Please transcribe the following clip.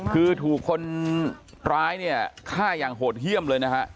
คือถูกคนร้ายเนี่ยฆ่าอย่างโหดเยี่ยมเลยนะฮะ